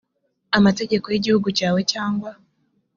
amategeko y igihugu cyawe cyangwa